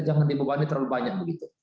jangan dibebani terlalu banyak begitu